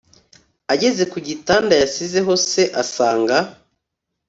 ageze kugitanda yasizeho se asanga.